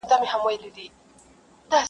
مور د لور خواته ګوري خو مرسته نه سي کولای,